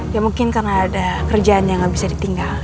ya mungkin karena ada kerjaannya gak bisa ditinggal